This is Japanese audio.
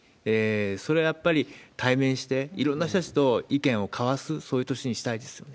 それはやっぱり対面して、いろんな人たちと意見を交わす、そういう年にしたいですよね。